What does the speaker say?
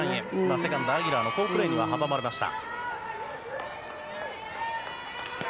セカンド、アギラーの好プレーに阻まれました。